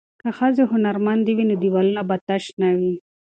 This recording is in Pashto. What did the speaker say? که ښځې هنرمندې وي نو دیوالونه به تش نه وي.